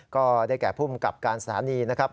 ก็ได้แก่ภูมิกับการสถานีนะครับ